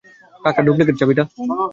কাকা, ডুপ্লিকেট চাবিটা?